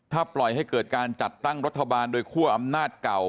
ถ้าปล่อยให้เกิดการจัดตั้งรัฐบาลโดยคั่วอำนาจเก่า